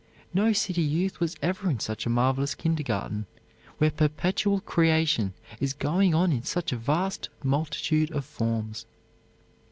No city youth was ever in such a marvelous kindergarten, where perpetual creation is going on in such a vast multitude of forms.